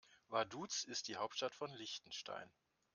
Vaduz ist die Hauptstadt von Liechtenstein.